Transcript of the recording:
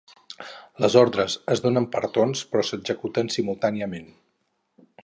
Les ordres es donen per torns però s'executen simultàniament.